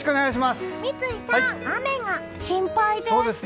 三井さん、雨が心配です。